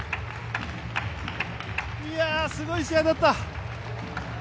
すごい試合だった！